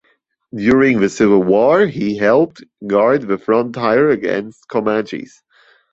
During the Civil War he helped guard the frontier against Comanches.